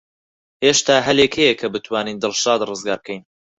هێشتا هەلێک هەیە کە بتوانین دڵشاد ڕزگار بکەین.